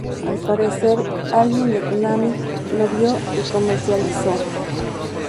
Al parecer alguien de Konami lo vio y comercializó.